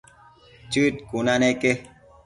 Chën cuna neque